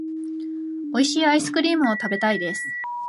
美味しいアイスクリームを食べたいです。